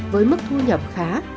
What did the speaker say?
với mức thu nhập khá